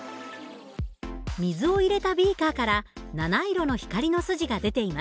水を入れたビーカーから７色の光の筋が出ています。